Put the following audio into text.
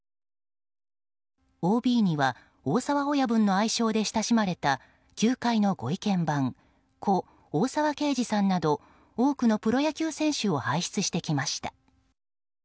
ＯＢには大沢親分の愛称で親しまれた球界のご意見番故・大沢啓二さんなど多くのプロ野球選手を輩出してきました。